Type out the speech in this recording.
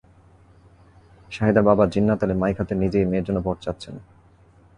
সাহিদার বাবা জিন্নাত আলী মাইক হাতে নিজেই মেয়ের জন্য ভোট চাচ্ছেন।